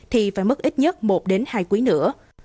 thì phải mất ít nhất một đến hai quý nữa